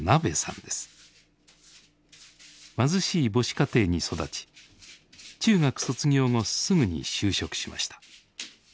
貧しい母子家庭に育ち中学卒業後すぐに就職しました。